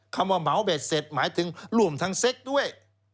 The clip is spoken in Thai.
คำว่าเหมาเบ็ดเสร็จหมายถึงรวมทั้งเซ็กด้วย